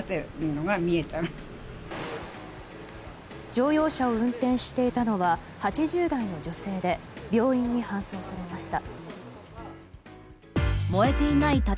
乗用車を運転していたのは８０代の女性で病院に搬送されました。